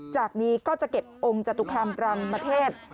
จากนี้ก็จะเก็บองค์จตุคามรามเทพ